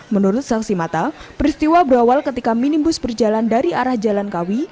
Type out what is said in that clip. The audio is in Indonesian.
menurut saksi mata peristiwa berawal ketika minibus berjalan dari arah jalan kawi